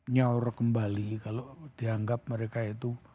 nyaur kembali kalau dianggap mereka itu